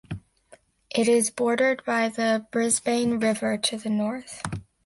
It is bordered by the Brisbane River to the north.